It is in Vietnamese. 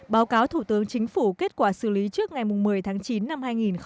báo cáo thủ tướng chính phủ kết quả xử lý trước ngày một mươi tháng chín năm hai nghìn một mươi chín